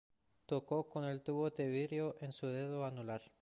Tocó con el tubo de vidrio en su dedo anular.